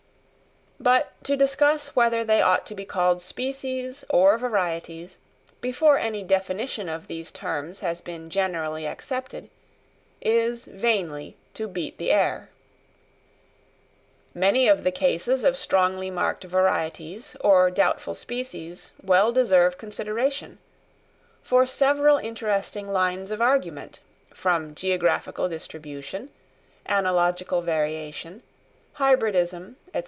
But to discuss whether they ought to be called species or varieties, before any definition of these terms has been generally accepted, is vainly to beat the air. Many of the cases of strongly marked varieties or doubtful species well deserve consideration; for several interesting lines of argument, from geographical distribution, analogical variation, hybridism, &c.